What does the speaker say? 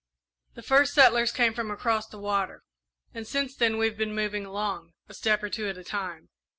The first settlers came from across the water, and since then we've been moving along, a step or two at a time.